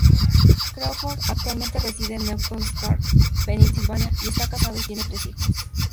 Crawford actualmente reside Newton Square, Pennsylvania, y está casado y tiene tres hijos.